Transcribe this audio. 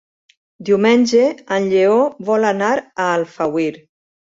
Diumenge en Lleó vol anar a Alfauir.